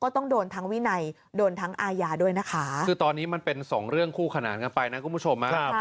ตอนนี้มันเป็น๒เรื่องคู่ขนาดในกันไปนะคุณผู้ชม